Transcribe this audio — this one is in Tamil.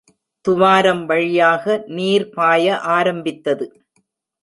துவாரம் வழியாக நீர் பாய ஆரம்பித்தது.